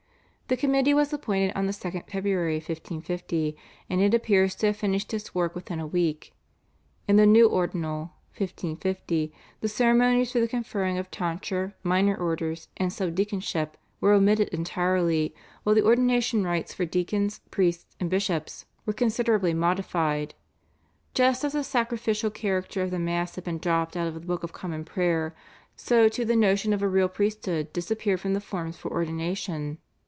The committee was appointed on the 2nd February 1550, and it appears to have finished its work within a week. In the new /Ordinal/ (1550) the ceremonies for the conferring of tonsure, minor orders, and sub deaconship were omitted entirely, while the ordination rites for deacons, priests, and bishops were considerably modified. Just as the sacrificial character of the Mass had been dropped out of the Book of Common Prayer, so too the notion of a real priesthood disappeared from the forms for ordination.